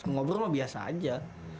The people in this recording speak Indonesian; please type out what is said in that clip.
ngobrol mah biasa aja